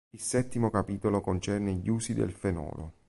Il settimo capitolo concerne gli usi del fenolo.